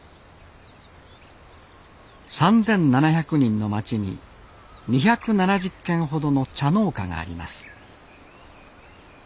３，７００人の町に２７０軒ほどの茶農家があります。